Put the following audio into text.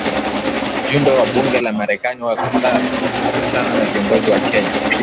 Ujumbe wa bunge la Marekani wakutana na viongozi wa Kenya